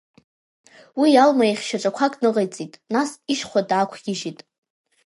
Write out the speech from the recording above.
Уи Алма иахь шьаҿақәак ныҟаиҵеит, нас ишьхәа даақәгьежьит.